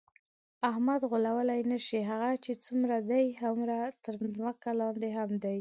احمد غولولی نشې، هغه چې څومره دی هومره تر ځمکه لاندې هم دی.